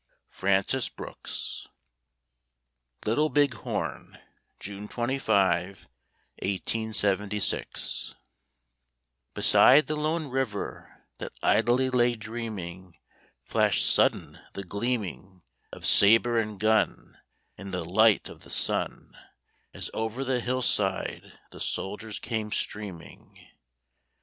FRANCIS BROOKS. LITTLE BIG HORN [June 25, 1876] Beside the lone river, That idly lay dreaming, Flashed sudden the gleaming Of sabre and gun In the light of the sun As over the hillside the soldiers came streaming.